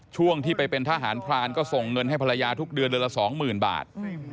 ช่วงที่ไปเป็นทหารพรานก็ส่งเงินให้ภรรยาทุกเดือนเดือนละ๒๐๐๐บาท